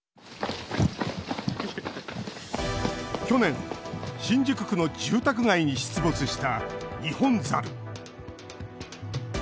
去年、新宿区の住宅街に出没したニホンザル。